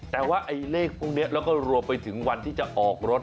แต่ว่าไอ้เลขพวกนี้แล้วก็รวมไปถึงวันที่จะออกรถ